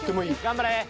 頑張れ。